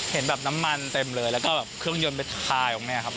เห็นแบบน้ำมันเต็มเลยแล้วก็แบบเครื่องยนต์ไปทายตรงนี้ครับ